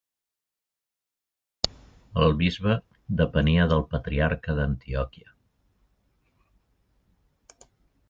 El bisbe depenia del patriarca d'Antioquia.